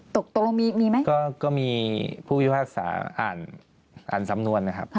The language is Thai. ตกลงมีมีไหมก็มีผู้พิพากษาอ่านสำนวนนะครับ